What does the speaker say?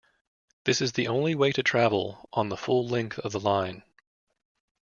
This is the only way to travel on the full length of the line.